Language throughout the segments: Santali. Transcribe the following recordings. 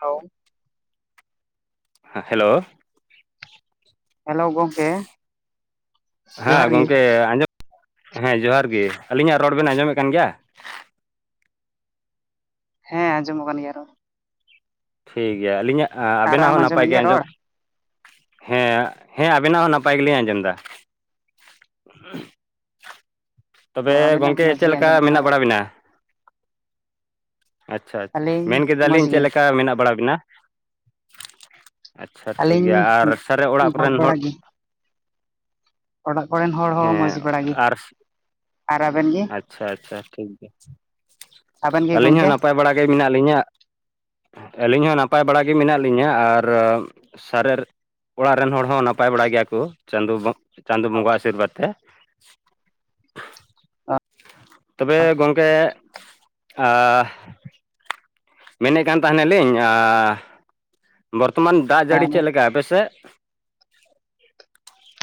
ᱦᱟᱣ᱾ ᱦᱮᱸ ᱦᱮᱞᱳ᱾ ᱦᱮᱞᱳ ᱜᱚᱢᱠᱮ᱾ ᱦᱮᱸ ᱜᱚᱝᱠᱮ ᱟᱸᱡᱚᱢ ᱦᱮᱸ ᱡᱚᱦᱟᱨ ᱜᱤ ᱟᱹᱞᱤᱧᱟᱜ ᱨᱚᱲ ᱵᱮᱱ ᱟᱸᱡᱚᱢᱮᱜ ᱠᱟᱱ ᱜᱮᱭᱟ? ᱦᱮᱸ ᱟᱸᱡᱚᱢᱚᱜ ᱠᱟᱱ ᱜᱮᱭᱟ ᱨᱚᱲ ᱴᱷᱤᱠ ᱜᱮᱭᱟ ᱟᱹᱞᱤᱧᱟᱜ ᱟᱨ ᱟᱵᱮᱱᱟᱜ ᱟᱢ ᱦᱚᱸ ᱱᱟᱯᱟᱭ ᱟᱸᱡᱚᱢᱮᱫ ᱜᱮ ᱜᱮᱭᱟ ᱟᱸᱡᱚᱢ ᱨᱚᱲ ᱦᱮᱸ ᱦᱮᱸ ᱟᱵᱮᱱᱟᱜ ᱦᱚᱸ ᱱᱟᱯᱟᱭ ᱜᱮᱞᱤᱧ ᱟᱸᱡᱚᱢ ᱫᱟ᱾ [inaudible] ᱚ ᱛᱚᱵᱮ ᱟᱵᱤᱱᱟᱜ ᱜᱚᱝᱠᱮ ᱦᱚᱸ ᱢᱚᱸᱡᱽ ᱪᱮᱫ ᱜᱮ ᱞᱮᱠᱟ ᱟᱸᱡᱚᱢᱚᱜ ᱠᱟᱱᱟ ᱢᱮᱱᱟᱜ ᱨᱚᱲ ᱵᱟᱲᱟ ᱵᱮᱱᱟ? ᱟᱪᱪᱷᱟ ᱟᱪᱪᱷᱟ, ᱟᱹᱞᱤᱧ ᱢᱮᱱ ᱢᱚᱸᱡᱽ ᱠᱮᱫᱟᱞᱤᱧ ᱜᱮ ᱪᱮᱫᱞᱮᱠᱟ ᱢᱮᱱᱟᱜ ᱵᱟᱲᱟ ᱵᱤᱱᱟ? ᱟᱪᱪᱷᱟ ᱴᱷᱤᱠ ᱜᱮᱭᱟ ᱟᱹᱞᱤᱧ ᱟᱨ ᱥᱟᱨᱮ ᱚᱲᱟᱜ ᱢᱚᱸᱡᱽ ᱠᱚᱨᱮᱱ ᱦᱚᱲ? ᱵᱟᱲᱟ ᱜᱮ ᱚᱲᱟᱜ ᱠᱚᱨᱮᱱ ᱦᱚᱲ ᱦᱚᱸ ᱦᱮᱸ ᱢᱚᱡᱽ ᱵᱟᱲᱟ ᱜᱤ, ᱟᱨ ᱟᱨ ᱟᱵᱮᱱ ᱜᱤ? ᱟᱪᱪᱷᱟ ᱟᱪᱪᱷᱟ ᱴᱷᱤᱠ ᱜᱮᱭᱟ ᱟᱵᱮᱱ ᱜᱮ ᱟᱹᱞᱤᱧ ᱜᱚᱝᱠᱮ ᱦᱚᱸ ᱱᱟᱯᱟᱭ ᱵᱟᱲᱟ ᱜᱮ ᱢᱮᱱᱟᱜ ᱞᱤᱧᱟᱹ ᱟᱹᱞᱤᱧ ᱦᱚᱸ ᱱᱟᱯᱟᱭ ᱵᱟᱲᱟ ᱜᱮ ᱢᱮᱱᱟᱜ ᱞᱤᱧᱟᱹ ᱟᱨ ᱥᱟᱨ ᱚᱲᱟᱜ ᱨᱮᱱ ᱦᱚᱲ ᱦᱚᱸ ᱱᱟᱯᱟᱭ ᱵᱟᱲᱟᱭ ᱜᱮᱭᱟ ᱠᱚ ᱪᱟᱸᱫᱚ ᱪᱟᱸᱫᱚ ᱵᱚᱸᱜᱟ ᱟᱥᱤᱨᱵᱟᱫᱽ ᱛᱮ ᱛᱚᱵᱮ ᱜᱚᱝᱠᱮ ᱟ ᱦ ᱢᱮᱱᱮᱫ ᱠᱟᱱ ᱛᱟᱦᱮᱱᱟᱞᱤᱧ ᱵᱚᱨᱛᱚᱢᱟᱱ ᱫᱟᱜ ᱡᱟᱹᱲᱤ ᱪᱮᱫ ᱞᱮᱠᱟ ᱟᱯᱮᱥᱮᱫ?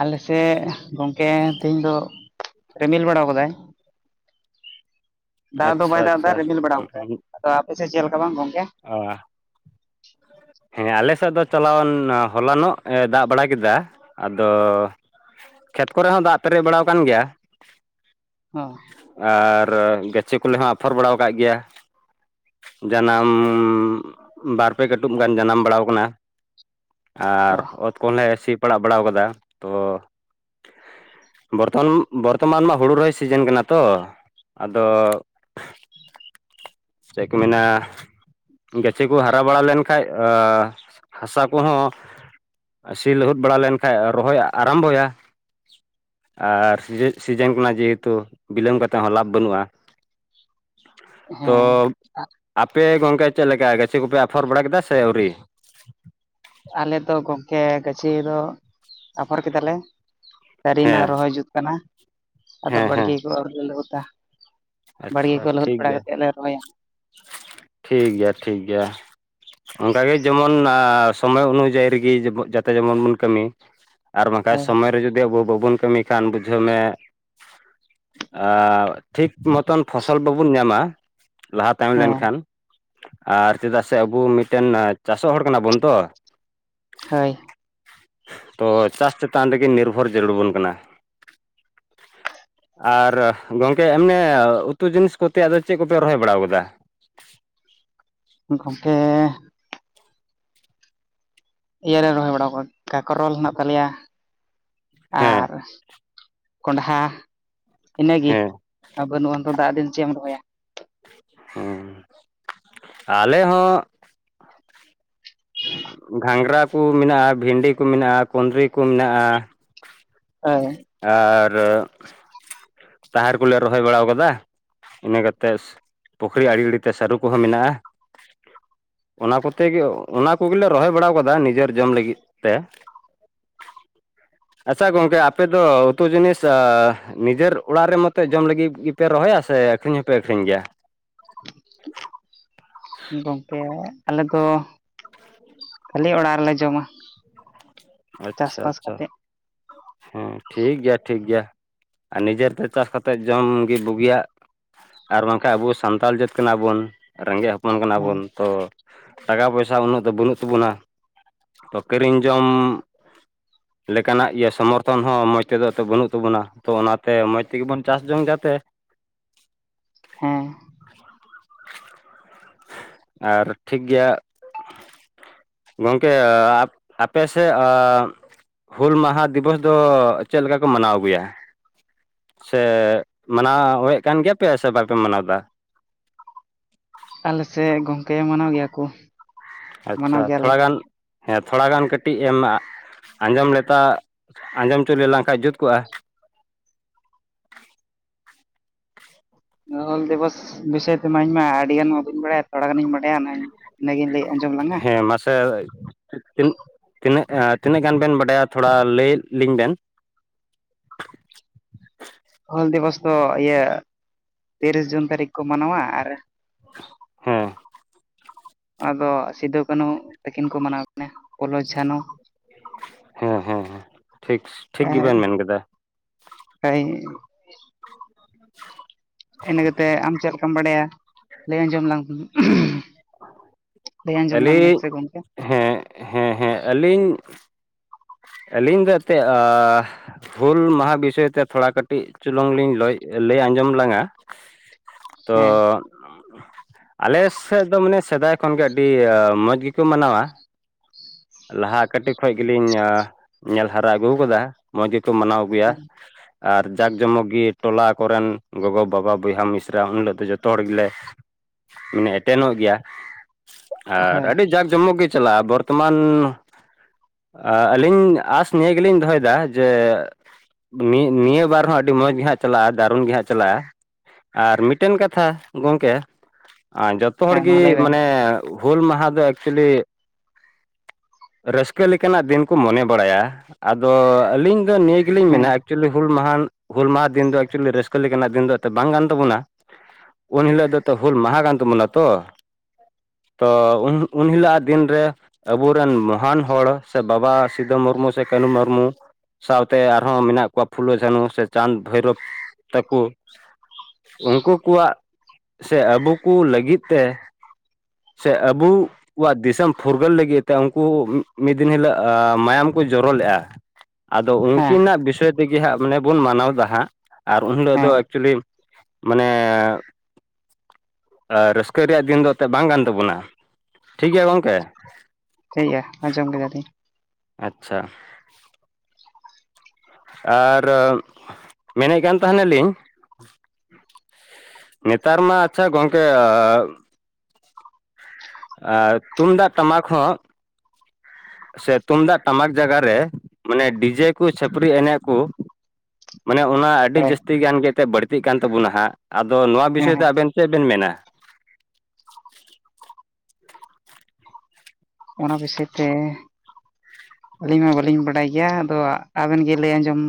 ᱟᱞᱮ ᱥᱮᱫ ᱜᱚᱝᱠᱮ ᱛᱮᱦᱮᱧ ᱫᱚ ᱨᱤᱢᱤᱞ ᱵᱟᱲᱟᱣ ᱠᱟᱫᱟᱭ᱾ [unintelligible] ᱫᱟᱜ ᱫᱚ ᱵᱟᱭ ᱟᱪᱪᱷᱟ ᱫᱟᱜ ᱫᱟ ᱟᱪᱪᱷᱟ ᱨᱤᱢᱤᱞ ᱵᱟᱲᱟᱣ ᱠᱟᱫᱟᱭ ᱟᱫᱚ ᱟᱯᱮᱥᱮᱫ ᱪᱮᱫ ᱞᱮᱠᱟ ᱵᱟᱝ ᱜᱚᱝᱠᱮ? ᱚ ᱟ᱾ ᱦᱮᱸ ᱟᱞᱮᱥᱮᱫ ᱫᱚ ᱪᱟᱞᱟᱣᱮᱱ ᱦᱚᱞᱟᱱᱚᱜ ᱮ ᱫᱟᱜ ᱵᱟᱲᱟ ᱠᱮᱫᱟ ᱟᱫᱚ ᱠᱷᱮᱛ ᱠᱚᱨᱮ ᱦᱚᱸ ᱫᱟᱜ ᱯᱮᱨᱮᱡ ᱵᱟᱲᱟᱣ ᱠᱟᱱ ᱜᱮᱭᱟ᱾ ᱦᱚᱸ ᱟᱨ ᱜᱟᱹᱪᱷᱤ ᱠᱚᱞᱮ ᱦᱚᱸ ᱟᱯᱷᱚᱨ ᱵᱟᱲᱟᱣ ᱠᱟᱜ ᱜᱮᱭᱟ᱾ ᱡᱟᱱᱟᱢ ᱵᱟᱨᱯᱮ ᱠᱟᱹ [unintelligible] ᱜᱟᱱ ᱡᱟᱱᱟᱢ ᱵᱟᱲᱟᱣ ᱠᱟᱱᱟ ᱚ ᱟᱨ ᱚᱛ ᱠᱚᱞᱮ ᱥᱤ ᱯᱟᱲᱟᱜ ᱵᱟᱲᱟᱣ ᱠᱟᱫᱟ ᱛᱚ ᱵᱚᱨᱫᱷᱚᱱ ᱵᱚᱨᱛᱚᱢᱟᱱ ᱢᱟ ᱦᱩᱲᱩ ᱨᱚᱦᱚᱭ ᱥᱤᱡᱮᱱ ᱠᱟᱱᱟ ᱛᱚ ᱟᱫᱚ ᱪᱮᱠ ᱢᱮᱱᱟ᱾ ᱜᱟᱹᱪᱷᱤ ᱠᱚ ᱦᱟᱨᱟ ᱵᱟᱲᱟ ᱞᱮᱱᱠᱟᱡ ᱦᱟᱥᱟ ᱠᱚᱦᱚᱸ ᱥᱤ ᱞᱟᱹᱦᱩᱫ ᱵᱟᱲᱟ ᱞᱮᱱ ᱠᱷᱟᱡ ᱨᱚᱦᱚᱭ ᱟᱨᱟᱢᱵᱚᱭᱟ᱾ ᱟᱨ ᱥᱤᱡᱮ ᱥᱤᱡᱮᱱ ᱠᱟᱱᱟ ᱡᱮᱦᱮᱛᱩ ᱵᱤᱞᱚᱢ ᱠᱟᱛᱮᱫ ᱦᱚᱸ ᱞᱟᱵᱷ ᱵᱟᱹᱱᱩᱜᱼᱟ᱾ ᱛᱚ, ᱦᱮᱸ ᱟᱯᱮ ᱜᱚᱝᱠᱮ ᱪᱮᱫ ᱞᱮᱠᱟ ᱜᱟᱹᱪᱷᱤ ᱠᱚᱯᱮ ᱟᱯᱷᱚᱨ ᱵᱟᱲᱟ ᱠᱮᱫᱟ ᱥᱮ ᱟᱹᱣᱨᱤ? ᱟᱞᱮ ᱫᱚ ᱜᱚᱝᱠᱮ ᱜᱟᱹᱪᱷᱤ ᱫᱚ ᱟᱯᱷᱚᱨ ᱠᱮᱫᱟᱞᱮ, ᱫᱟᱹᱨᱤᱭᱱᱟ ᱦᱮᱸ ᱨᱚᱦᱚᱭ ᱡᱩᱛ ᱠᱟᱱᱟ᱾ ᱟᱫᱚ ᱦᱮᱸ ᱦᱮᱸ ᱵᱟᱲᱜᱤ ᱠᱚ ᱟᱹᱣᱨᱤ ᱞᱮ ᱞᱟᱹᱦᱩᱛᱟ ᱵᱟᱲᱜᱤ ᱟᱪᱪᱷᱟ ᱠᱚ ᱞᱟᱹᱦᱩᱫ ᱴᱷᱤᱠ ᱵᱟᱲᱟ ᱜᱮᱭᱟ ᱠᱟᱛᱮᱫ ᱞᱮ ᱨᱚᱦᱚᱭᱟ᱾ ᱴᱷᱤᱠ ᱜᱮᱭᱟ ᱴᱷᱤᱠ ᱜᱮᱭᱟ᱾ ᱚᱱᱠᱟᱜᱮ ᱡᱮᱢᱚᱱ ᱥᱚᱢᱚᱭ ᱚᱱᱩᱡᱟᱭᱤ ᱨᱤᱜᱤ ᱡᱟᱛᱮ ᱡᱮᱢᱚᱱ ᱵᱚᱱ ᱠᱟᱹᱢᱤ᱾ ᱟᱨ ᱵᱟᱝᱠᱷᱟᱡ ᱦᱳᱭ ᱥᱚᱢᱚᱭ ᱨᱮ ᱡᱩᱫᱤ ᱟᱵᱚ ᱵᱟᱵᱚᱱ ᱠᱟᱹᱢᱤ ᱠᱷᱟᱱ ᱵᱩᱡᱷᱟᱹᱣ ᱢᱮ, ᱟ ᱴᱷᱤᱠ ᱢᱚᱛᱚᱱ ᱯᱷᱚᱥᱚᱞ ᱵᱟᱵᱩᱱ ᱧᱟᱢᱟ ᱞᱟᱦᱟ ᱛᱟᱭᱚᱢ ᱦᱮᱸ ᱞᱮᱱᱠᱷᱟᱱ᱾ ᱟᱨ ᱪᱮᱫᱟᱜ ᱥᱮ ᱟᱵᱩ ᱢᱤᱴᱮᱱ ᱪᱟᱥᱚᱜ ᱦᱚᱲ ᱠᱟᱱᱟ ᱵᱚᱱ ᱛᱚ᱾ ᱦᱳᱭ᱾ ᱛᱚ ᱪᱟᱥ ᱪᱮᱛᱟᱱ ᱨᱮᱜᱮ ᱱᱤᱨᱵᱷᱚᱨ ᱡᱟᱹᱨᱩᱲᱵᱚᱱ ᱠᱟᱱᱟ᱾ ᱟᱨ ᱜᱚᱝᱠᱮ ᱮᱢᱱᱮ ᱩᱛᱩ ᱡᱤᱱᱤᱥ ᱠᱚ ᱛᱮᱭᱟᱜ ᱫᱚ ᱪᱮᱫ ᱠᱚᱯᱮ ᱨᱚᱦᱚᱭ ᱵᱟᱲᱟᱣ ᱠᱟᱫᱟ? ᱜᱚᱝᱠᱮ᱾ ᱤᱭᱟᱹ ᱨᱮ ᱨᱚᱦᱚᱭ ᱵᱟᱲᱟᱣ ᱠᱚᱣᱟ ᱠᱟᱠᱨᱚᱞ ᱦᱮᱱᱟᱜ ᱛᱟᱞᱮᱭᱟ, ᱦᱮᱸ ᱟᱨ ᱠᱚᱸᱰᱦᱟ ᱤᱱᱟᱹ ᱜᱤ ᱦᱮᱸ ᱟ ᱵᱟᱹᱱᱩᱜᱼᱟ ᱱᱤᱛᱚᱜ ᱫᱟᱜ ᱫᱤᱱ ᱪᱮᱫ ᱮᱢ ᱨᱚᱦᱚᱭᱟ? ᱦᱩᱸ, ᱟᱞᱮ ᱦᱚᱸ ᱜᱷᱟᱸᱜᱽᱨᱟ ᱠᱩ ᱢᱤᱱᱟᱜᱼᱟ ᱵᱷᱤᱱᱰᱤ ᱠᱩ ᱢᱤᱱᱟᱜᱼᱟ ᱠᱩᱸᱫᱽᱨᱤ ᱠᱩ ᱢᱤᱱᱟᱜᱼᱟ᱾ ᱟᱹᱭ᱾ ᱟᱨ ᱛᱟᱦᱮᱨ ᱠᱚᱞᱮ ᱨᱚᱦᱚᱭ ᱵᱟᱲᱟ ᱟᱠᱟᱫᱟ ᱤᱱᱟᱹ ᱠᱟᱛᱮᱫ ᱯᱩᱠᱷᱨᱤ ᱟᱲᱮ ᱟᱲᱮ ᱛᱮ ᱥᱟᱹᱨᱩ ᱠᱚᱦᱚᱸ ᱢᱮᱱᱟᱜᱼᱟ ᱚᱱᱟ ᱠᱚᱛᱮ ᱜᱮ ᱚᱱᱟ ᱠᱚᱜᱮᱞᱮ ᱨᱚᱦᱚᱭ ᱵᱟᱲᱟᱣ ᱟᱠᱟᱫᱟ ᱱᱤᱡᱮᱨ ᱡᱚᱢ ᱞᱟᱹᱜᱤᱫ ᱛᱮ ᱟᱪᱪᱷᱟ ᱜᱚᱝᱠᱮ ᱟᱯᱮ ᱫᱚ ᱩᱛᱩ ᱡᱤᱱᱤᱥ ᱟ ᱱᱤᱡᱮᱨ ᱚᱲᱟᱜ ᱨᱮ ᱢᱚᱛᱚ ᱡᱚᱢ ᱞᱟᱹᱜᱤᱫ ᱜᱮᱯᱮ ᱨᱚᱦᱚᱭᱟ ᱥᱮ ᱟᱠᱷᱨᱤᱧ ᱦᱚᱸᱯᱮ ᱟᱠᱷᱨᱤᱧ ᱜᱮᱭᱟ? ᱜᱚᱝᱠᱮ ᱟᱞᱮ ᱫᱚ ᱠᱷᱟᱹᱞᱤ ᱚᱲᱟᱜ ᱨᱮᱞᱮ ᱡᱚᱢᱟ ᱟᱪᱪᱷᱟ ᱪᱟᱥᱵᱟᱥ ᱟᱪᱪᱷᱟ ᱠᱟᱛᱮᱫ ᱦᱮᱸ ᱴᱷᱤᱠ ᱜᱮᱭᱟ ᱴᱷᱤᱠ ᱜᱮᱭᱟ। ᱟᱨ ᱱᱤᱡᱮᱨ ᱛᱮ ᱪᱟᱥ ᱠᱟᱛᱮᱫ ᱡᱚᱢ ᱜᱮ ᱵᱩᱜᱤᱭᱟᱜ ᱟᱨ ᱵᱟᱝᱠᱷᱟᱡ ᱟᱵᱚ ᱥᱟᱱᱛᱟᱲ ᱡᱟᱹᱛ ᱠᱟᱱᱟ ᱵᱚᱱ ᱨᱮᱸᱜᱮᱡ ᱦᱚᱯᱚᱱ ᱦᱮᱸ ᱠᱟᱱᱟᱵᱚᱱ ᱛᱚ ᱴᱟᱠᱟ ᱯᱚᱭᱥᱟ ᱩᱱᱟᱹᱜ ᱫᱚ ᱵᱟᱹᱱᱩᱜ ᱛᱟᱵᱚᱱᱟ ᱛᱚ ᱠᱤᱨᱤᱧ ᱡᱚᱢ ᱞᱮᱠᱟᱱᱟᱜ ᱤᱭᱟᱹ ᱥᱚᱢᱚᱨᱛᱷᱚᱱ ᱦᱚᱸ ᱢᱚᱡᱽ ᱛᱮᱫᱚ ᱛᱚ ᱵᱟᱹᱱᱩᱜ ᱛᱟᱵᱚᱱᱟ ᱛᱚ ᱚᱱᱟᱛᱮ ᱢᱚᱡᱽ ᱛᱮᱜᱮ ᱵᱚᱱ ᱪᱟᱥ ᱡᱚᱝ ᱡᱟᱛᱮ᱾ ᱦᱮᱸ᱾ ᱟᱨ ᱴᱷᱤᱠ ᱜᱮᱭᱟ ᱜᱚᱝᱠᱮ ᱟᱯᱮ ᱥᱮᱫ ᱟᱻ ᱦᱩᱞ ᱢᱟᱦᱟ ᱫᱤᱵᱚᱥ ᱫᱚ ᱪᱮᱫ ᱞᱮᱠᱟ ᱠᱚ ᱢᱟᱱᱟᱣ ᱟᱹᱜᱩᱭᱟ? ᱥᱮ ᱢᱟᱱᱟᱣ ᱮᱫ ᱠᱟᱱ ᱜᱮᱭᱟ ᱯᱮ ᱥᱮ ᱵᱟᱯᱮ ᱢᱟᱱᱟᱣᱫᱟ? ᱟᱞᱮ ᱥᱮᱫ ᱜᱚᱝᱠᱮ ᱢᱟᱱᱟᱣ ᱜᱮᱭᱟ ᱠᱚ ᱢᱟᱱᱟᱣ ᱟᱪᱪᱷᱟ ᱜᱮᱭᱟᱞᱮ ᱛᱷᱚᱲᱟ ᱜᱟᱱ ᱦᱮᱸ ᱛᱷᱚᱲᱟ ᱜᱟᱱ ᱠᱟᱹᱴᱤᱡ ᱮᱢ ᱟᱸᱡᱚᱢ ᱞᱮᱛᱟ ᱟᱸᱡᱚᱢ ᱦᱚᱪᱚᱞᱮ ᱞᱮᱱᱠᱷᱟᱱ ᱡᱩᱛ ᱠᱚᱜᱼᱟ ᱦᱩᱞ ᱫᱤᱵᱚᱥ ᱵᱤᱥᱚᱭ ᱛᱮᱢᱟ ᱤᱧ ᱢᱟ ᱟᱹᱰᱤ ᱜᱟᱱ ᱢᱟ ᱵᱟᱹᱧ ᱵᱟᱲᱟᱭᱟ ᱛᱷᱚᱲᱟ ᱜᱟᱱᱤᱧ ᱵᱟᱰᱟᱭᱟ ᱤᱱᱟᱹ ᱜᱤᱧ ᱞᱟᱹᱭᱟ ᱦᱮᱸ ᱢᱟᱥᱮ ᱛᱤᱱ ᱛᱤᱱᱟᱹᱜ ᱮᱸ ᱛᱤᱱᱟᱹᱜ ᱜᱟᱱ ᱵᱮᱱ ᱵᱟᱰᱟᱭᱟ ᱛᱷᱚᱲᱟ ᱞᱟᱹᱭ ᱞᱤᱧ ᱵᱮᱱ ᱦᱩᱞ ᱫᱤᱵᱚᱥ ᱫᱚ ᱤᱭᱟᱹ ᱛᱤᱨᱤᱥ ᱡᱩᱱ ᱛᱟᱹᱨᱤᱠᱷ ᱠᱚ ᱢᱟᱱᱟᱣᱟ ᱟᱨ ᱦᱮᱸ ᱟᱫᱚ ᱥᱤᱫᱩ ᱠᱟᱹᱱᱩ ᱛᱟᱹᱠᱤᱱ ᱠᱚ ᱢᱟᱱᱟᱣ ᱠᱤᱱᱟ ᱯᱷᱩᱞᱚ ᱡᱷᱟᱱᱚ ᱦᱮᱸ ᱦᱮᱸ ᱦᱮᱸ ᱴᱷᱤᱠ ᱴᱷᱤᱠ ᱜᱮ ᱵᱮᱱ ᱢᱮᱱ ᱠᱮᱫᱟ ᱮᱭ ᱤᱱᱟᱹ ᱠᱟᱛᱮ ᱟᱢ ᱪᱮᱫ ᱞᱮᱠᱟᱢ ᱵᱟᱲᱟᱭᱟ ᱞᱟᱹᱭ ᱟᱸᱡᱚᱢ ᱞᱟᱝ ᱞᱟᱹᱭ ᱟᱸᱡᱚᱢ ᱞᱟᱝ ᱢᱮ ᱟᱹᱞᱤᱧ ᱥᱮ ᱜᱚᱢᱠᱮ ᱦᱮᱸ ᱦᱮᱸ ᱦᱮᱸ ᱟᱹᱞᱤᱧ ᱟᱹᱞᱤᱧ ᱫᱚ ᱮᱱᱛᱮᱫ ᱟ ᱦᱩᱞ ᱢᱟᱦᱟ ᱵᱤᱥᱚᱭ ᱛᱮ ᱛᱷᱚᱲᱟ ᱠᱟᱹᱴᱤᱡ ᱪᱩᱞᱩᱝ ᱞᱤᱧ ᱞᱚᱡ ᱞᱟᱹᱭ ᱟᱸᱡᱚᱢ ᱞᱟᱝ ᱟ ᱦᱮᱸ ᱛᱚ ᱟᱞᱮ ᱥᱮᱫ ᱫᱚ ᱢᱟᱱᱮ ᱥᱮᱫᱟᱭ ᱠᱷᱚᱱ ᱜᱮ ᱟᱹᱰᱤ ᱢᱚᱡᱽ ᱜᱮᱠᱚ ᱢᱟᱱᱟᱣᱟ ᱞᱟᱦᱟ ᱠᱟᱹᱴᱤᱡ ᱠᱷᱚᱡ ᱜᱮᱞᱤᱧ ᱮᱸ ᱧᱮᱞ ᱦᱟᱨᱟ ᱟᱹᱜᱩ ᱠᱟᱫᱟ ᱢᱚᱡᱽ ᱜᱮᱠᱚ ᱢᱟᱱᱟᱣ ᱟᱹᱜᱩᱭᱟ ᱟᱨ ᱡᱟᱠ ᱡᱚᱢᱚᱠ ᱜᱮ ᱴᱚᱞᱟ ᱠᱚᱨᱮᱱ ᱜᱚᱜᱚ ᱵᱟᱵᱟ ᱵᱚᱭᱦᱟ ᱢᱤᱥᱨᱟ ᱩᱱ ᱦᱤᱞᱳᱜ ᱫᱚ ᱡᱚᱛᱚ ᱦᱚᱲ ᱜᱮᱞᱮ ᱢᱟᱱᱮ ᱮᱴᱮᱱᱚᱜ ᱜᱮᱭᱟ ᱟᱨ ᱦᱳᱭ ᱟᱹᱰᱤ ᱡᱟᱠᱼ ᱡᱚᱢᱚᱠ ᱜᱮ ᱪᱟᱞᱟᱜᱼᱟ ᱵᱚᱨᱛᱚᱢᱟᱱ ᱢᱟᱱ ᱟᱹᱞᱤᱧ ᱟᱥ ᱱᱤᱭᱟᱹ ᱜᱮᱞᱤᱧ ᱫᱚᱦᱚᱭᱮᱫᱟ ᱡᱮ ᱱᱤ ᱱᱤᱭᱟᱹ ᱹ ᱵᱟᱨ ᱦᱚᱸ ᱟᱹᱰᱤ ᱢᱚᱸᱡᱽ ᱜᱮ ᱦᱟᱸᱜ ᱪᱟᱞᱟᱜᱼᱟ ᱫᱟᱨᱩᱱ ᱜᱮ ᱦᱟᱸᱜ ᱪᱟᱞᱟᱜᱼᱟ ᱟᱨ ᱢᱤᱫᱴᱮᱱ ᱠᱟᱛᱷᱟ ᱜᱚᱢᱠᱮ ᱟᱸ ᱡᱚᱛᱚ ᱡᱚᱛᱚ ᱦᱚᱲ ᱦᱮᱸ ᱢᱟ ᱜᱮ ᱞᱟᱹᱭ ᱵᱮᱱ ᱢᱟᱱᱮ ᱦᱩᱞ ᱢᱟᱦᱟ ᱫᱚ ᱮᱠᱪᱩᱭᱮᱞᱤ ᱨᱟᱹᱥᱠᱟᱹ ᱞᱮᱠᱟᱱᱟᱜ ᱫᱤᱱ ᱠᱚ ᱢᱚᱱᱮ ᱵᱟᱲᱟᱭᱟ ᱟᱫᱚ ᱟᱹᱞᱤᱧ ᱫᱚ ᱱᱤᱭᱟᱹ ᱜᱮᱞᱤᱧ ᱦᱮᱸ ᱢᱮᱱᱟ ᱮᱩᱪᱩᱭᱮᱞᱤ ᱦᱩᱞ ᱢᱟᱦᱟ ᱦᱩᱞ ᱢᱟᱦᱟ ᱫᱤᱱ ᱫᱚ ᱮᱠᱪᱩᱞᱤ ᱨᱟᱹᱥ ᱠᱟᱹ ᱞᱮᱠᱟᱱᱟᱜ ᱫᱤᱱ ᱫᱚ ᱛᱚ ᱵᱟᱝ ᱠᱟᱱ ᱛᱟᱵᱚᱱᱟ ᱩᱱ ᱦᱤᱞᱳᱜ ᱫᱚ ᱛᱚ ᱦᱩᱞ ᱢᱟᱦᱟ ᱠᱟᱱ ᱛᱟᱵᱚᱱᱟ ᱛᱚ ᱛᱚ ᱩᱱ ᱩᱱᱦᱤᱞᱳᱜ ᱟᱜ ᱫᱤᱱᱨᱮ ᱟᱵᱚ ᱨᱮᱱ ᱢᱚᱦᱟᱱ ᱦᱚᱲ ᱥᱮ ᱵᱟᱵᱟ ᱥᱤᱫᱩ ᱢᱩᱨᱢᱩ ᱥᱮ ᱠᱟᱹᱱᱩ ᱢᱩᱨᱢᱩ ᱥᱟᱣᱛᱮ ᱟᱨᱦᱚᱸ ᱢᱮᱱᱟᱜ ᱠᱚᱣᱟ ᱯᱷᱩᱞᱚ ᱡᱷᱟᱱᱚ ᱥᱮ ᱪᱟᱸᱫᱽ ᱵᱷᱳᱭᱨᱳᱵᱽ ᱛᱟᱠᱚ ᱩᱱᱠᱩ ᱠᱚᱣᱟᱜ ᱥᱮ ᱟᱵᱚ ᱠᱚ ᱞᱟᱹᱜᱤᱫ ᱛᱮ ᱥᱮ ᱟᱵᱚᱣᱟᱜ ᱫᱤᱥᱚᱢ ᱯᱷᱩᱨ ᱯᱷᱩᱨᱜᱟᱹᱞ ᱞᱟᱹᱜᱤᱫ ᱛᱮ ᱩᱱᱠᱩ ᱢᱤᱫ ᱫᱤᱱ ᱦᱤᱞᱳᱜ ᱟ ᱢᱟᱭᱟᱢ ᱠᱚ ᱡᱚᱨᱚ ᱞᱮᱫᱼᱟ᱾ ᱟᱫᱚ ᱦᱮᱸ ᱩᱱᱠᱤᱱᱟᱜ ᱵᱤᱥᱚᱭ ᱛᱮᱜᱮ ᱦᱟᱸᱜ ᱢᱟᱱᱮ ᱵᱚᱱ ᱢᱟᱱᱟᱣᱫᱟ ᱦᱟᱸᱜ, ᱟᱨ ᱩᱱᱦᱤᱞᱳᱜ ᱫᱚ ᱦᱮᱸ ᱮᱠᱪᱩᱞᱤ ᱢᱟᱱᱮ ᱟᱨ ᱨᱟᱹᱥᱠᱟᱹ ᱨᱮᱭᱟᱜ ᱫᱤᱱ ᱫᱚ ᱮᱱᱛᱮᱫ ᱵᱟᱝ ᱠᱟᱱ ᱛᱟᱵᱚᱱᱟ ᱴᱷᱤᱠ ᱜᱮᱭᱟ ᱜᱚᱢᱠᱮ ᱴᱷᱤᱠ ᱜᱮᱭᱟ ᱟᱸᱡᱚᱢ ᱠᱮᱫᱟᱞᱤᱧ ᱟᱪᱪᱷᱟ ᱟᱨ ᱢᱮᱱᱮᱫ ᱠᱟᱱ ᱛᱟᱦᱮᱱᱟᱞᱤᱧ ᱱᱮᱛᱟᱨ ᱢᱟ ᱟᱪᱪᱷᱟ ᱜᱚᱝᱠᱮ ᱟ ᱛᱩᱢᱫᱟᱜ ᱴᱟᱢᱟᱠ ᱦᱚᱸ ᱥᱮ ᱛᱩᱢᱫᱟᱜ ᱴᱟᱢᱟᱠ ᱡᱟᱭᱟᱨ ᱨᱮ ᱢᱟᱱᱮ ᱰᱤᱡᱮ ᱠᱚ ᱪᱷᱟᱹᱯᱟᱹᱨᱤ ᱮᱱᱮᱡ ᱠᱚ, ᱢᱟᱱᱮ ᱚᱱᱟ ᱟᱹᱰᱤ ᱦᱳᱭ ᱡᱟᱹᱥᱛᱤ ᱜᱟᱱ ᱜᱮ ᱮᱛᱜ ᱵᱟᱹᱲᱛᱤᱜ ᱠᱟᱱ ᱛᱟᱵᱚᱱᱟ ᱦᱟᱸᱜ ᱟᱫᱚ ᱱᱚᱣᱟ ᱦᱮᱸ ᱵᱤᱥᱚᱭ ᱛᱮ ᱦᱮᱸ ᱟᱵᱮᱱ, ᱪᱮᱫ ᱵᱮᱱ ᱢᱮᱱᱟ? ᱚᱱᱟ ᱵᱤᱥᱚᱭ ᱛᱮ ᱟᱹᱞᱤᱧ ᱢᱟ ᱵᱟᱹᱞᱤᱧ ᱵᱟᱰᱟᱭ ᱜᱮᱭᱟ ᱟᱫᱚ ᱟᱵᱮᱱ ᱜᱮ ᱞᱟᱹᱭ ᱟᱸᱡᱚᱢ,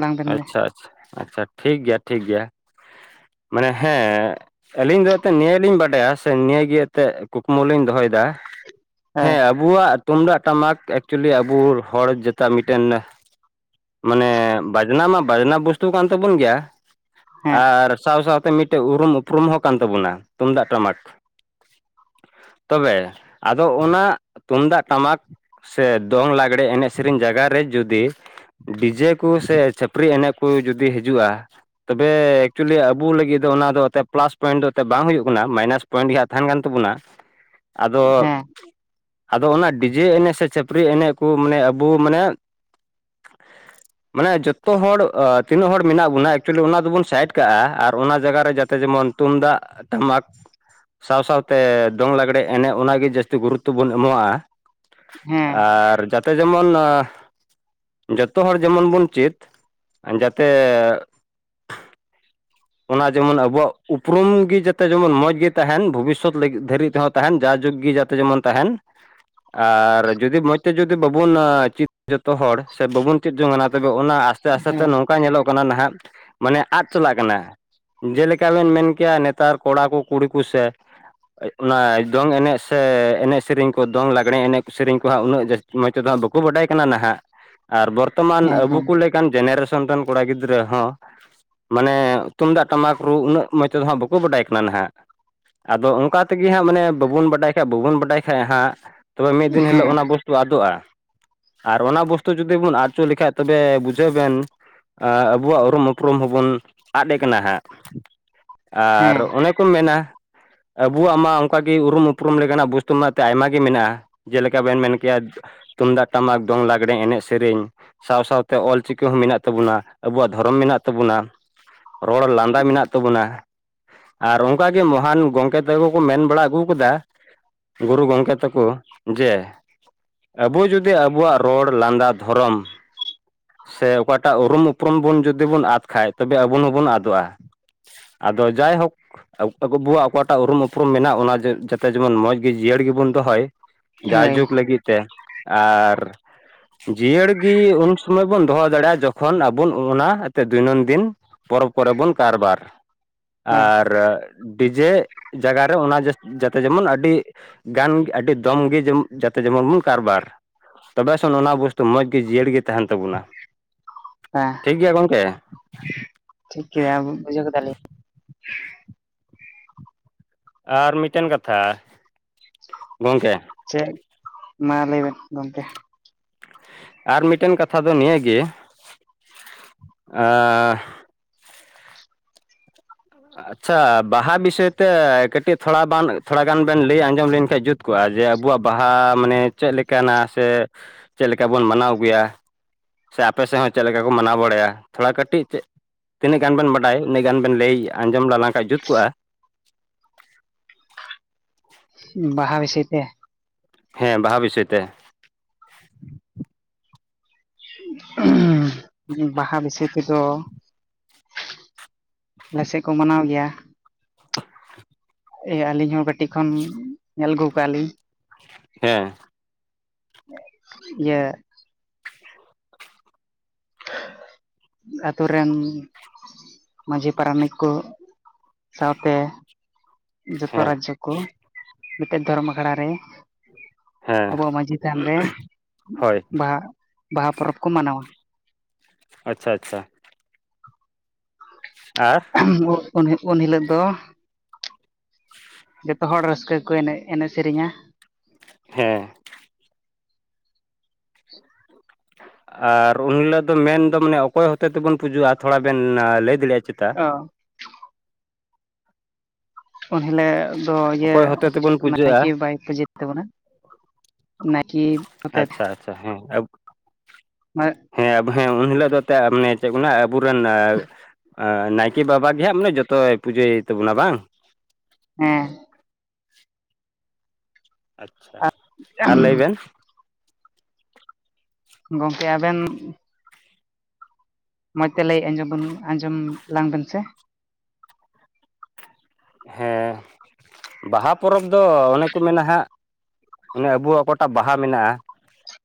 ᱞᱟᱝ ᱵᱮᱱ ᱢᱮ᱾ ᱟᱪᱪᱷᱟ ᱟᱪᱪᱷᱟ ᱟᱪᱪᱷᱟ ᱴᱷᱤᱠ ᱜᱮᱭᱟ ᱴᱷᱤᱠ ᱜᱮᱭᱟ ᱢᱟᱱᱮ ᱦᱮᱸ ᱟᱹᱞᱤᱧ ᱫᱚ ᱮᱱᱛᱮᱫ ᱱᱤᱭᱟᱹᱞᱤᱧ ᱵᱟᱰᱟᱭᱟ ᱥᱮ ᱱᱤᱭᱟᱹᱜ ᱜᱮ ᱮᱱᱛᱮᱫ ᱠᱩᱠᱢᱩ ᱞᱤᱧ ᱫᱚᱦᱚᱭᱮᱫᱟ, ᱦᱮᱸ ᱟᱵᱚᱣᱟᱜ ᱛᱩᱢᱫᱟᱜ ᱴᱟᱢᱟᱠ ᱮᱠᱪᱩᱭᱮᱞᱤ ᱟᱵᱚ ᱦᱚᱲ ᱡᱮᱴᱟ ᱢᱤᱫᱴᱮᱱ ᱢᱟᱱᱮ ᱵᱟᱡᱱᱟ ᱢᱟ ᱵᱟᱡᱱᱟ ᱵᱚᱥᱛᱩ ᱠᱟᱱ ᱛᱟᱵᱚᱱ ᱜᱮᱭᱟ, ᱦᱮᱸ ᱟᱨ ᱥᱟᱶ ᱥᱟᱶᱛᱮ ᱢᱤᱫ ᱛᱮ ᱩᱨᱩᱢ ᱩᱯᱩᱢ ᱦᱚᱸ ᱠᱟᱱ ᱛᱟᱵᱚᱱᱟ ᱛᱩᱢᱫᱟᱜ, ᱴᱟᱢᱟᱠ᱾ ᱛᱚᱵᱮ ᱟᱫᱚ ᱚᱱᱟ ᱛᱩᱢᱫᱟᱜ, ᱴᱟᱢᱟᱠ, ᱥᱮ ᱫᱚᱝ ᱞᱟᱜᱽᱲᱮ ᱮᱱᱮᱡ ᱥᱮᱨᱮᱧ ᱡᱟᱜᱟᱨ ᱨᱮ ᱡᱩᱫᱤ ᱰᱤᱡᱮ ᱠᱚ ᱛᱮ ᱪᱷᱟᱹᱯᱨᱤ ᱮᱱᱮᱡ ᱠᱚ ᱡᱩᱫᱤ ᱦᱤᱡᱩᱜᱼᱟ, ᱛᱚᱵᱮ ᱮᱠᱪᱩᱭᱮᱞᱤ ᱟᱵᱚ ᱞᱟᱹᱜᱤᱫ ᱫᱚ ᱚᱱᱟ ᱫᱚ ᱮᱛᱮ ᱯᱞᱟᱥ ᱯᱚᱭᱮᱱᱴ ᱫᱚ ᱮᱱᱛᱮ ᱵᱟᱝ ᱦᱩᱭᱩᱜ ᱠᱟᱱᱟ ᱢᱟᱭᱱᱟᱥ ᱯᱚᱭᱮᱱᱴ ᱜᱮ ᱦᱟᱸᱟᱜ ᱛᱟᱦᱮᱱ ᱠᱟᱱ ᱛᱟᱵᱚᱱᱟ᱾ [inaudible] ᱟᱫᱚ, ᱦᱮᱸ ᱟᱫᱚ ᱚᱱᱟ ᱰᱤᱡᱮ ᱮᱱᱮᱡ ᱥᱮ ᱪᱟᱹᱯᱨᱤ ᱮᱱᱮᱡ ᱠᱚ ᱢᱟᱱᱮ ᱟᱵᱚ ᱢᱟᱱᱮ ᱢᱟᱱᱮ ᱡᱚᱛᱚ ᱦᱚᱲ ᱛᱤᱱᱟᱹᱜ ᱦᱚᱲ ᱢᱮᱱᱟᱜ ᱵᱚᱱᱟ ᱮᱠᱪᱩᱭᱮᱞᱤ ᱚᱱᱟ ᱫᱚᱵᱚᱱ ᱥᱟᱭᱤᱰ ᱠᱟᱜᱼᱟ ᱟᱨ ᱚᱱᱟ ᱡᱟᱭᱜᱟ ᱨᱮ ᱡᱟᱛᱮ ᱡᱮᱢᱚᱱ ᱛᱩᱢᱫᱟᱜ ᱴᱟᱢᱟᱠ ᱥᱟᱶ ᱥᱟᱶᱴᱶᱛᱮ ᱫᱚᱝ ᱞᱟᱜᱽᱲᱮ ᱮᱱᱮᱡ ᱚᱱᱟᱜᱮ ᱡᱟᱹᱥᱛᱤ ᱜᱩᱨᱩᱛᱛᱚ ᱵᱚᱱ ᱮᱢᱚᱜᱼᱟ᱾ ᱦᱮᱸ ᱟᱨ ᱡᱟᱛᱮ ᱡᱮᱢᱚᱱ ᱡᱚᱛᱚ ᱦᱚᱲ ᱡᱮᱢᱚᱱ ᱵᱚᱱ ᱪᱤᱫ ᱡᱟᱛᱮ ᱚᱱᱟ ᱡᱮᱢᱚᱱ ᱟᱵᱚᱣᱟᱜ ᱩᱯᱨᱩᱢ ᱜᱮ ᱡᱟᱛᱮ ᱡᱮᱢᱚᱱ ᱢᱚᱸᱡᱽᱜᱤ ᱛᱟᱦᱮᱱ ᱵᱷᱚᱵᱤᱥᱚᱛ ᱫᱷᱟᱹᱨᱤᱡ ᱛᱮᱦᱚᱸ ᱛᱟᱸᱦᱮᱱ ᱡᱟ ᱡᱩᱜᱽ ᱜᱮ ᱡᱟᱛᱮ ᱡᱮᱢᱚᱱ ᱛᱟᱸᱦᱮᱱ᱾ ᱟᱨ ᱡᱩᱫᱤ ᱢᱚᱸᱡᱽ ᱛᱮ ᱡᱩᱫᱤ ᱵᱟᱵᱩᱱ ᱪᱤᱫ ᱡᱚᱛᱚ ᱦᱚᱲ ᱥᱮ ᱵᱟᱵᱚᱱ ᱪᱮᱫ ᱡᱚᱝ ᱟᱱᱟ ᱛᱚᱵᱮ ᱚᱱᱟ ᱟᱥᱛᱮ ᱟᱥᱛᱮ ᱛᱮ ᱦᱮᱸ ᱱᱚᱝᱠᱟ ᱧᱮᱞᱚᱜ ᱠᱟᱱᱟ ᱱᱟᱦᱟᱜ ᱢᱟᱱᱮ ᱟᱫ ᱪᱟᱞᱟᱜ ᱠᱟᱱᱟ᱾ ᱡᱮᱞᱮᱠᱟ ᱵᱮᱱ ᱢᱮᱱ ᱠᱮᱭᱟ ᱱᱮᱛᱟᱨ ᱠᱚᱲᱟ ᱠᱚ ᱠᱩᱲᱤ ᱠᱚ ᱥᱮ ᱚᱱᱟ ᱫᱚᱝ ᱮᱱᱮᱡ ᱥᱮ ᱮᱱᱮᱡ ᱥᱮᱨᱮᱧ ᱠᱚ ᱫᱚᱝ ᱞᱟᱜᱽᱲᱮ ᱮᱱᱮᱡ ᱥᱮᱨᱮᱧ ᱠᱚ ᱦᱟᱸᱜ ᱩᱱᱟᱹᱜ ᱡᱟᱹᱥᱛᱤ ᱢᱚᱡᱽ ᱛᱮᱫᱚ ᱦᱟᱸᱜ ᱵᱟᱠᱚ ᱵᱟᱰᱟᱭ ᱠᱟᱱᱟ ᱱᱟᱦᱟᱜ ᱟᱨ ᱵᱚᱨᱛᱚᱢᱟᱱ ᱦᱮᱸ ᱟᱵᱚ ᱦᱮᱸ ᱠᱚ ᱞᱮᱠᱟᱱ ᱡᱮᱱᱟᱨᱮᱥᱚᱱ ᱨᱮᱱ ᱠᱚᱲᱟ ᱜᱤᱫᱽᱨᱟᱹ ᱦᱚᱸ, ᱢᱟᱱᱮ ᱛᱩᱢᱫᱟᱜ ᱴᱟᱢᱟᱠ ᱨᱩ ᱩᱱᱟᱹᱜ ᱢᱚᱡᱽᱚᱛᱚ ᱦᱜ ᱵᱟᱠᱚ ᱵᱟᱰᱟᱭ ᱠᱟᱱᱟ ᱱᱟᱸᱦᱟᱜ ᱟᱫᱚ ᱚᱱᱠᱟ ᱛᱮᱜᱮ ᱦᱟᱸᱜ ᱢᱟᱱᱮ ᱵᱟᱵᱚᱱ ᱵᱟᱰᱟᱭ ᱠᱷᱟᱡ ᱵᱟᱵᱚᱱ ᱵᱟᱰᱟᱭ ᱠᱷᱟᱡ ᱦᱟᱸᱜ ᱛᱚᱵᱮ ᱢᱤᱫ ᱫᱤᱱ ᱦᱤᱞᱳᱜ ᱦᱮᱸ ᱚᱱᱟ ᱵᱚᱥ ᱼᱼ ᱛᱩ ᱟᱫᱚᱜᱼᱟ, ᱟᱨ ᱚᱱᱟ ᱵᱚᱥᱛᱩ ᱡᱩᱫᱤ ᱵᱚᱱ ᱟᱫᱪᱚ ᱞᱮᱠᱷᱷᱟᱡ ᱛᱚᱵᱮ ᱵᱩᱡᱷᱟᱹᱣ ᱵᱮᱱ, ᱟᱵᱚᱣᱟᱜ ᱩᱨᱩᱢ ᱩᱯᱨᱩᱢ ᱦᱚᱸᱵᱚᱱ ᱟᱫ ᱮ ᱠᱟᱱᱟ ᱦᱟᱸᱜ, ᱟᱨ ᱦᱮᱸ ᱚᱱᱮ ᱼᱼ ᱠᱚ ᱢᱮᱱᱟ ᱟᱵᱚᱣᱟᱜ ᱢᱟ ᱚᱱᱠᱟᱜ ᱜᱮ ᱩᱨᱩᱢ ᱩᱯᱨᱩᱢ ᱞᱮᱠᱟᱱᱟᱜ ᱵᱚᱥᱛᱩ ᱢᱮᱱᱛᱮ ᱟᱭᱢᱟ ᱜᱮ ᱢᱮᱱᱟᱜᱼᱟ᱾ ᱡᱮᱞᱮᱠᱟ ᱵᱮᱱ ᱢᱮᱱ ᱠᱮᱭᱟ ᱛᱩᱢᱫᱟᱜᱼᱴᱟᱢᱟᱠ ᱫᱚᱝ, ᱞᱟᱜᱽᱲᱮ ᱮᱱᱮᱡ ᱥᱮᱨᱮᱧ ᱥᱟᱶ ᱥᱟᱶᱶᱛᱮ ᱚᱞ ᱪᱤᱠᱤ ᱦᱚᱸ ᱢᱮᱱᱟᱜ ᱛᱟᱵᱚᱱᱟ, ᱟᱵᱚᱣᱟᱜ ᱫᱷᱚᱨᱚᱢ ᱢᱮᱱᱟᱜ ᱛᱟᱵᱚᱱᱟ᱾ ᱨᱚᱲ ᱞᱟᱸᱫᱟ ᱢᱮᱱᱟᱜ ᱛᱟᱵᱚᱱᱟ᱾ ᱟᱨ ᱚᱱᱠᱟᱜ ᱜᱮ ᱢᱚᱦᱟᱱ ᱜᱚᱝᱠᱮ ᱛᱟᱠᱚ ᱠᱚ ᱢᱮᱱ ᱵᱟᱲᱟ ᱟᱹᱜᱩ ᱟᱠᱟᱫᱟ᱾ ᱜᱩᱨᱩ ᱜᱚᱢᱠᱮ ᱛᱟᱠᱚ ᱡᱮ ᱟᱵᱚ ᱡᱩᱫᱤ ᱟᱵᱚᱣᱟᱜ ᱨᱚᱲ ᱞᱟᱸᱫᱟ ᱫᱷᱚᱨᱚᱢ, ᱥᱮ ᱚᱠᱟᱴᱟᱜ ᱩᱨᱩᱢ ᱩᱯᱨᱩᱢ ᱵᱚᱱ ᱡᱩᱫᱤ ᱵᱚᱱ ᱟᱫ ᱠᱷᱟᱡ ᱛᱚᱵᱮ ᱟᱵᱚ ᱦᱚᱸᱵᱚᱱ ᱟᱫᱚᱜᱼᱟ ᱟᱫᱚ ᱡᱟᱭᱦᱳᱠ ᱟᱵᱚᱣᱟᱜ ᱚᱠᱟᱴᱟᱜ ᱩᱨᱩᱢ ᱩᱯᱨᱩᱢ ᱢᱮᱱᱟᱜᱼᱟ ᱚᱱᱟ ᱡᱟᱛᱮ ᱡᱮᱢᱚᱱ ᱢᱚᱸᱡᱽ ᱜᱮ ᱡᱤᱭᱟᱹᱲ ᱜᱮᱵᱚᱱ ᱫᱚᱦᱚᱭ ᱦᱳᱭ ᱡᱟᱭᱡᱩᱜᱽ ᱞᱟᱹᱜᱤᱫ ᱛᱮ ᱟᱨ, ᱡᱤᱭᱟᱹᱲ ᱜᱤ ᱩᱱ ᱥᱩᱢᱟᱹᱭ ᱵᱚᱱ ᱫᱚᱦᱚ ᱫᱟᱲᱮᱭᱟᱜᱼᱟ ᱡᱚᱠᱷᱚᱱ ᱟᱵᱚ ᱚᱱᱟ ᱟᱛᱮ ᱫᱤᱱᱟᱹᱢᱫᱤᱱ ᱯᱚᱨᱚᱵᱽ ᱠᱚᱨᱮ ᱵᱚᱱ ᱠᱟᱨᱵᱟᱨ ᱦᱳᱭ ᱟᱨ ᱰᱤᱡᱮ ᱡᱟᱭᱜᱟ ᱨᱮ ᱚᱱᱟ ᱡᱟᱛᱮ ᱡᱮᱢᱚᱱ ᱟᱹᱰᱤ ᱜᱟᱱ ᱟᱹᱰᱤ ᱫᱚᱢ ᱜᱮᱮ ᱡᱟᱛᱮ ᱡᱮᱢᱚᱱ ᱵᱚᱱ ᱠᱟᱨᱵᱟᱨ᱾ ᱛᱚᱵᱮ ᱥᱮ ᱚᱱᱟ ᱵᱚᱥᱛᱩ ᱢᱚᱸᱡᱽ ᱜᱮ ᱡᱤᱭᱟᱹᱲ ᱜᱮ ᱛᱟᱦᱮᱱ ᱛᱟᱵᱚᱱᱟ᱾ ᱦᱮᱸ ᱴᱷᱤᱠᱜᱮᱭᱟ ᱜᱚᱝᱠᱮ? ᱴᱷᱤᱠ ᱜᱮᱭᱟ ᱵᱩᱡᱷᱟᱹᱣ ᱠᱮᱫᱟᱞᱤᱧ᱾ ᱟᱨ ᱢᱤᱫᱴᱮᱱ ᱠᱟᱛᱷᱟ ᱜᱚᱢᱠᱮ᱾ ᱪᱮᱫ ᱢᱟ ᱞᱟᱹᱭ ᱵᱮᱱ ᱜᱚᱢᱠᱮ ᱟᱨ ᱢᱤᱫᱴᱮᱱ ᱠᱟᱛᱷᱟ ᱫᱚ ᱱᱤᱭᱟᱹ ᱜᱮ ᱟᱨ ᱟᱪᱪᱷᱟ ᱵᱟᱦᱟ ᱵᱤᱥᱚᱭ ᱛᱮ ᱠᱟᱹᱴᱤᱡ ᱛᱷᱚᱲᱟ ᱵᱟᱱ ᱛᱷᱚᱲᱟ ᱜᱟᱱ ᱵᱮᱱ ᱞᱟᱹᱭ ᱟᱸᱡᱚᱢ ᱞᱤᱧ ᱠᱷᱟᱱ ᱡᱩᱛ ᱠᱚᱜᱼᱟ ᱡᱮ ᱟᱵᱚᱣᱟᱜ ᱵᱟᱦᱟ ᱢᱟᱱᱮ ᱪᱮᱫ ᱞᱮᱠᱟᱱᱟ ᱥᱮ ᱪᱮᱫ ᱞᱮᱠᱟ ᱵᱚᱱ ᱢᱟᱱᱟᱣᱜᱩᱭᱟ ᱥᱮ ᱟᱯᱮ ᱥᱮᱫ ᱦᱚᱸ ᱪᱮᱫ ᱞᱮᱠᱟ ᱠᱚ ᱢᱟᱱᱟᱣ ᱵᱟᱲᱟᱭᱟ ᱛᱷᱚᱲᱟ ᱠᱟᱹᱴᱤᱡ ᱪᱮᱫ ᱛᱤᱱᱟᱹᱜ ᱜᱟᱱ ᱵᱮᱱ ᱵᱟᱰᱟᱭ ᱩᱱᱟᱹᱜ ᱜᱟᱱ ᱵᱮᱱ ᱞᱟᱹᱭ ᱟᱸᱡᱚᱢ ᱟᱞᱟᱝ ᱠᱷᱟᱱ ᱡᱩᱛ ᱠᱚᱜᱼᱟ ᱵᱟᱦᱟ ᱵᱤᱥᱚᱭ ᱛᱮ ᱦᱮᱸ ᱵᱟᱦᱟ ᱵᱤᱥᱚᱭ ᱛᱮ ᱵᱟᱦᱟ ᱵᱤᱥᱚᱭ ᱛᱮᱫᱚ ᱟᱞᱮᱥᱮᱫ ᱠᱚ ᱢᱟᱱᱟᱣ ᱜᱮᱭᱟ ᱟᱹᱞᱤᱧ ᱦᱚᱸ ᱠᱟᱹᱴ ᱠᱟᱹᱴᱤ ᱠᱷᱚᱱ ᱧᱮᱞ ᱟᱹᱜᱩᱣ ᱠᱟᱜᱼᱟ ᱞᱤᱧ ᱦᱮᱸ ᱤᱭᱟᱹ ᱟᱛᱳ ᱨᱮᱱ ᱢᱟᱺᱡᱷᱤ ᱯᱟᱨᱟᱱᱤᱠ ᱠᱚ ᱥᱟᱶᱛᱮ ᱡᱚᱛᱚ ᱦᱮᱸ ᱨᱟᱡᱽᱡᱚ ᱠᱚ ᱢᱤᱫᱴᱮᱱ ᱫᱷᱚᱨᱚᱢ ᱟᱠᱷᱲᱟ ᱨᱮ ᱦᱮᱸ ᱟᱵᱚᱣᱟᱜ ᱢᱟᱺᱡᱷᱤ ᱛᱷᱟᱱ ᱨᱮ ᱦᱳᱭ ᱵᱟᱦᱟ ᱵᱟᱦᱟ ᱯᱚᱨᱚᱵᱽ ᱠᱚ ᱢᱟᱱᱟᱣᱟ ᱟᱪᱪᱷᱟ ᱟᱪᱪᱷᱟ ᱟᱨ ᱩᱱ ᱦᱤᱞᱳᱜ ᱫᱚ ᱡᱚᱛᱚ ᱦᱚᱲ ᱨᱟᱹᱥᱠᱟᱹ ᱜᱮᱠᱚ ᱮᱱᱮᱡ ᱮᱱᱮᱡ ᱥᱮᱨᱮᱧᱟ ᱦᱮᱸ [inaudible] ᱟᱨ ᱩᱱ ᱦᱤᱞᱳᱜ ᱫᱚ ᱢᱮᱱᱫᱚ ᱢᱟᱱᱮ ᱚᱠᱚᱭ ᱦᱚᱛᱮ ᱛᱮᱵᱚᱱ ᱯᱩᱡᱟᱹᱜᱼᱟ ᱛᱷᱚᱲᱟ ᱵᱮᱱ ᱞᱟᱹᱭ ᱫᱟᱲᱮᱭᱟᱜᱼᱟ ᱚ [inaudible] ᱩᱱᱦᱤᱞᱳᱜ ᱫᱚ ᱤᱭᱟᱹ ᱚᱠᱚᱭ ᱦᱚᱛᱮ ᱛᱮᱵᱚᱱ ᱯᱩᱡᱟᱹᱜᱼᱟ ᱱᱟᱭᱠᱮ ᱵᱟᱵᱟᱭ ᱯᱩᱢᱟᱹᱭ ᱛᱟᱵᱚᱱᱟ, ᱱᱟᱭᱠᱤ ᱚᱛᱮᱫ ᱟᱪᱪᱷᱟ ᱟᱪᱪᱷᱟ ᱦᱮᱸ [unintelligible] ᱦᱮᱸ ᱦᱮᱸ ᱩᱱᱦᱤᱞᱳᱜ ᱫᱚ ᱮᱱᱛᱮᱫ ᱢᱟᱱᱮ ᱪᱮᱫ ᱠᱚ ᱢᱮᱱᱟ ᱟᱵᱚᱨᱮᱱ ᱱᱟᱭᱠᱮ ᱵᱟᱵᱟ ᱜᱮ ᱦᱟᱸᱜ ᱢᱟᱱᱮ ᱡᱚᱛᱚᱭ ᱯᱩᱡᱟᱹᱭ ᱛᱟᱵᱚᱱᱟ ᱵᱟᱝ ᱦᱮᱸ ᱟᱪᱪᱷᱟ ᱟᱨ ᱞᱟᱹᱭ ᱵᱮᱱ ᱜᱚᱝᱠᱮ ᱟᱵᱮᱱ ᱢᱚᱡᱽ ᱛᱮ ᱞᱟᱹᱭ ᱟᱸᱡᱚᱢ ᱵᱚᱱ ᱟᱸᱡᱚᱢ ᱞᱟᱝᱵᱮᱱ ᱥᱮ ᱦᱮᱸ ᱵᱟᱦᱟ ᱯᱚᱨᱚᱵᱽ ᱫᱚ ᱚᱱᱮ ᱠᱚ ᱢᱮᱱᱟ ᱦᱟᱸᱜ ᱚᱱᱮ ᱟᱵᱚᱣᱟᱜ ᱚᱠᱟᱴᱟᱜ ᱵᱟᱦᱟ ᱢᱮᱱᱟᱜᱼᱟ